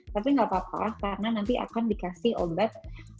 tapi nggak apa apa karena nanti akan dikasih obat